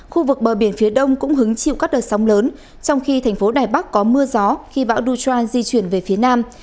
khu vực bờ biển phía đông cũng hứng chịu các đợt sóng lớn trong khi thành phố đài bắc có mưa gió khi bão duchra di chuyển về phía nam